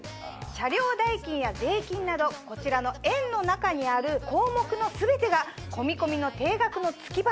車両代金や税金などこちらの円の中にある項目の全てがコミコミの定額の月払い。